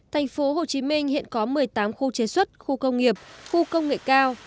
tp hcm hiện có một mươi tám khu chế xuất khu công nghiệp khu công nghệ cao